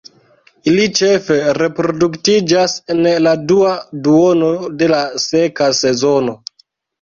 Ili ĉefe reproduktiĝas en la dua duono de la seka sezono.